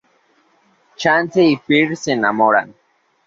Chance y Pearl se enamoran.